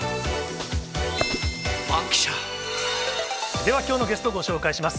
ではきょうのゲスト、ご紹介します。